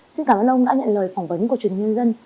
xin cảm ơn ông đã nhận lời phỏng vấn của truyền hình nhân dân